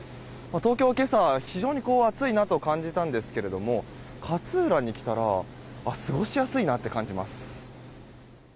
東京は今朝、非常に暑いなと感じたんですけれども勝浦に来たら過ごしやすいなと感じます。